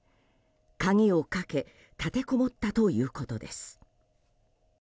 鍵をかけ立てこもったということです。